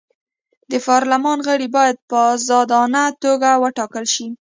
د پارلمان غړي باید په ازادانه توګه وټاکل شي.